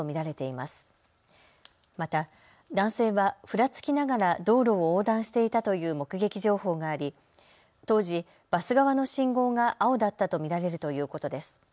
また、男性はふらつきながら道路を横断していたという目撃情報があり当時、バス側の信号が青だったと見られるということです。